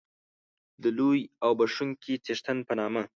د لوی او بخښونکی څښتن په نامه